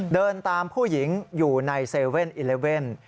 เดินตามผู้หญิงอยู่ใน๗๑๑